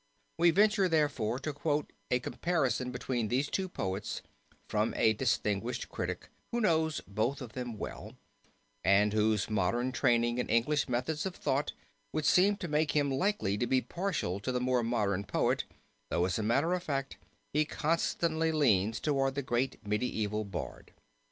We venture therefore to quote a comparison between these two poets from a distinguished critic who knows both of them well, and whose modern training in English methods of thought, would seem to make him likely to be partial to the more modern poet though as a matter of fact he constantly leans toward the great medieval bard.